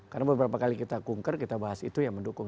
karena beberapa kali kita kungker kita bahas itu ya mendukung